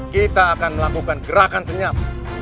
kita akan melakukan gerakan senyap